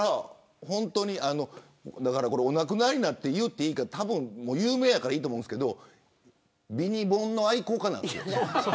お亡くなりになって言っていいか有名やからいいと思うんですけどビニ本の愛好家なんです。